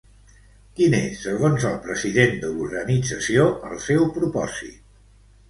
Quin és, segons el president de l'organització, el seu propòsit?